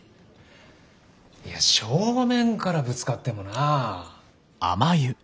いや正面からぶつかってもなあ。